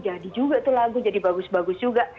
jadi juga tuh lagu jadi bagus bagus juga